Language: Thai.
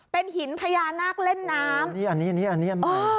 เป็นหินพญานาคเล่นน้ำอันนี้อันนี้อันนี้อันนี้